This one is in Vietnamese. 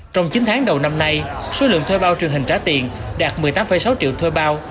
trong chín tháng đầu năm nay số lượng thuê bao truyền hình trả tiền đạt một mươi tám sáu triệu thuê bao